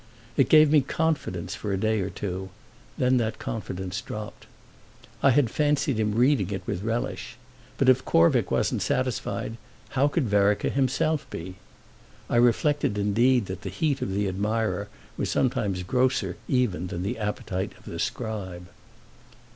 It gave me confidence for a day or two—then that confidence dropped. I had fancied him reading it with relish, but if Corvick wasn't satisfied how could Vereker himself be? I reflected indeed that the heat of the admirer was sometimes grosser even than the appetite of the scribe.